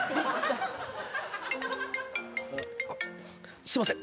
あっすいません